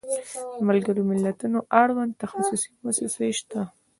د ملګرو ملتونو اړوند تخصصي موسسې شته.